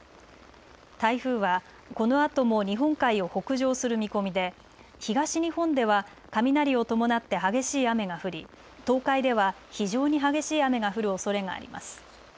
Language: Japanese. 台風はこのあとも日本海を北上する見込みで東日本では雷を伴って激しい雨が降り東海では非常に激しい雨が降るおそれがあります。